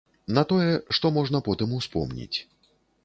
На тое, што можна потым успомніць.